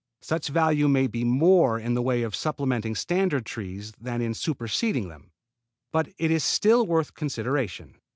Such value may be more in the way of supplementing standard trees than in superseding them, but it is still worth consideration.